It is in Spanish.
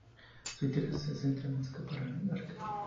Sus intereses se centran en escapar del Ark.